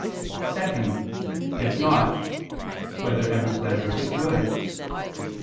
(2) If not, whether every pleasure is good?